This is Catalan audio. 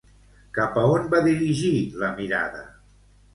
Cap on va dirigir la mirada?